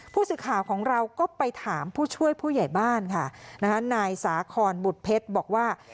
ผู้สื่อข่าวของเราก็ไปถามผู้ช่วยผู้ใหญ่บ้านค่ะนะคะนายสาคอนบุตรเพชรบอกว่า